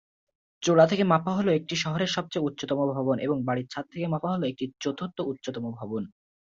চূড়া থেকে মাপা হলে এটি শহরের সবচেয়ে উচ্চতম ভবন এবং বাড়ির ছাদ থেকে মাপা হলে এটি চতুর্থ উচ্চতম ভবন।